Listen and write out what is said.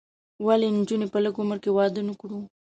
ولې نجونې په لږ عمر کې واده نه کړو؟